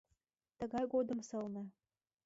Тыгай годым сылне.